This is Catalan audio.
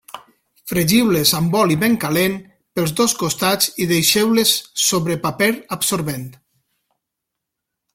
Fregiu-les amb oli ben calent pels dos costats i deixeu-les sobre paper absorbent.